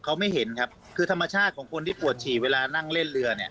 เขาไม่เห็นครับคือธรรมชาติของคนที่ปวดฉี่เวลานั่งเล่นเรือเนี่ย